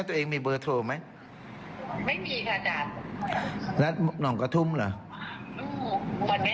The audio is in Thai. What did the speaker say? ตัวเองมีเบอร์โทรไหมไม่มีค่ะอาจารย์น้องกระทุ่มเหรอมันไม่